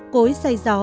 cối xay gió